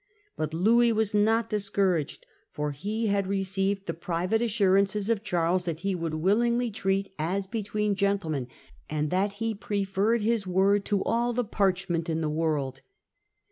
But Louis was not dis couraged, for he had received the private assurances of Charles that he would willingly treat * as between gentle men, * and that he preferred his word to all the parchment in the world.